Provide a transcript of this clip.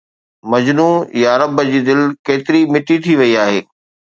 مجنون يا رب جي دل ڪيتري مٽي ٿي وئي آهي